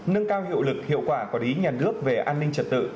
nâng cao hiệu lực hiệu quả quản lý nhà nước về an ninh trật tự